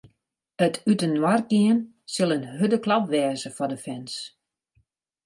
It útinoargean sil in hurde klap wêze foar de fans.